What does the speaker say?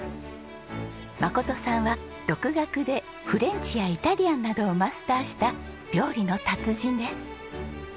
真さんは独学でフレンチやイタリアンなどをマスターした料理の達人です。